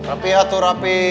rapi atuh rapi